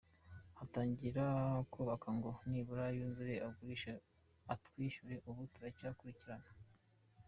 atangira kubaka ngo nibura yuzure agurishe atwishyure ubu turacyakurikirana.